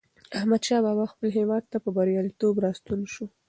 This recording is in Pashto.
احمدشاه بابا خپل هېواد ته په بریالیتوب راستون شو.